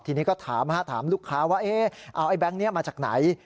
ทีนี้ก็ถามถามลูกค้าว่าเอาไอแบงค์นี้มาจากไหน